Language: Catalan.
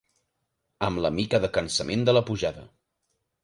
Amb la mica de cansament de la pujada